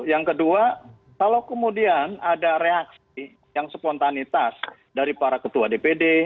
yang kedua kalau kemudian ada reaksi yang spontanitas dari para ketua dpd